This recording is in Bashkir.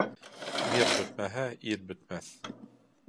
Мир бөтмәһә, ир бөтмәҫ.